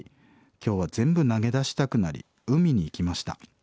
今日は全部投げ出したくなり海に行きました。